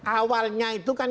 awalnya itu kan